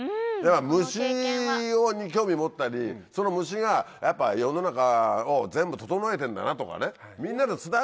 虫に興味持ったりその虫がやっぱ世の中を全部整えてんだなとかね。